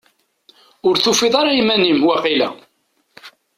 Ur tufiḍ ara iman-im, waqila?